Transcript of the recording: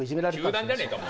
球団じゃねえか！